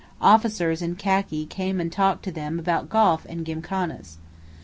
Officers in khaki came and talked to them about golf and gymkhanas.